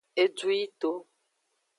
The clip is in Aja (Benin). Edu yito.